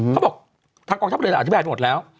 เขาบอกทางกองทัพเรืออธิบายไปหมดแล้ว